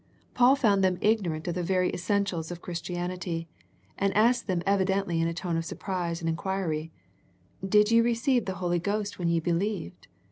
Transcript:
Paul found them ignorant of the very essentials of Chris tianity, and asked them evidently in a tone of surprise and enquiry, " Did ye receive the Holy Ghost when ye believed."